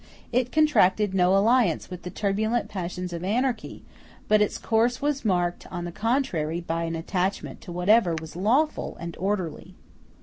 It contracted no alliance with the turbulent passions of anarchy; but its course was marked, on the contrary, by an attachment to whatever was lawful and orderly.